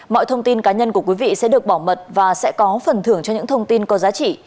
mọi thông tin cá nhân của quý vị sẽ được bảo mật và sẽ có phần thưởng cho những thông tin có giá trị